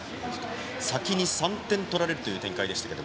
先に３点取られるという展開でしたが。